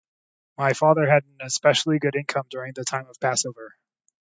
My father had an especially good income during the time of Passover.